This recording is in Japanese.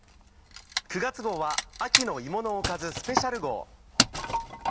９月号は秋の芋のおかずスペシャル号。